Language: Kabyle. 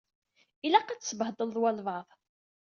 Ilaq ad tsebhedleḍ walebɛaḍ.